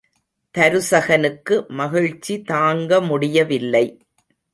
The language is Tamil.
தருசகனுக்கு மகிழ்ச்சி தாங்க முடியவில்லை.